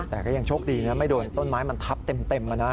แต่ก็ยังโชคดีนะไม่โดนต้นไม้มันทับเต็มนะ